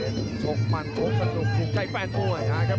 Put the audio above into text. ชกมันชกสนุกถูกใจแฟนมวยนะครับ